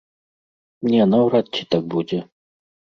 Не, наўрад ці так будзе.